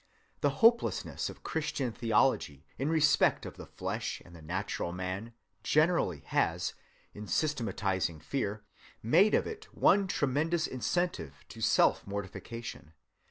The hopelessness of Christian theology in respect of the flesh and the natural man generally has, in systematizing fear, made of it one tremendous incentive to self‐ mortification.